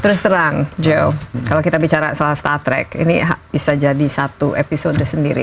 terus terang joe kalau kita bicara soal star trek ini bisa jadi satu episode sendiri